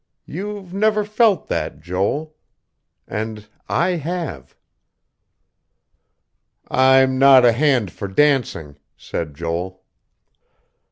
You've never felt that, Joel; and I have." "I'm not a hand for dancing," said Joel.